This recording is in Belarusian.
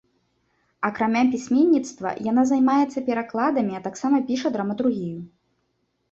Акрамя пісьменніцтва, яна займаецца перакладамі, а таксама піша драматургію.